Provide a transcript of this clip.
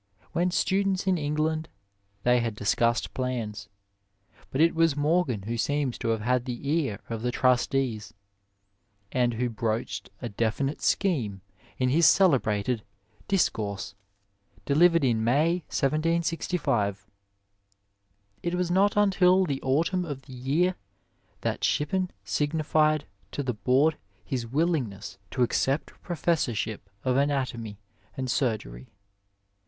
When students in England they had discussed plans, but it was Morgan who seems to have had the ear of the trustees, and who broached a definite scheme in his celebrated " Discourse," delivered in May, 1766. It was not until the autumn of the year that Shippen signified to the board his willingness to accept a professorship of anatomy and surgery.